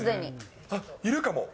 あっ、いるかも。